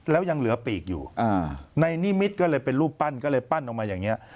แล้วยังเหลือปีกอยู่ในนิมิตรก็เลยเป็นรูปปั้นก็เลยปั้นออกมาอย่างนี้